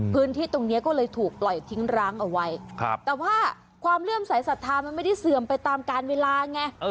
พื้นที่ตรงนี้ก็เลยถูกปล่อยทิ้งร้างเอาไว้แต่ว่าความเลื่อมสายศรัทธามันไม่ได้เสื่อมไปตามการเวลาไง